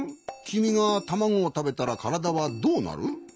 きみがたまごをたべたらからだはどうなる？